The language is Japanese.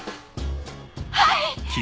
はい！